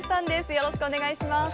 よろしくお願いします。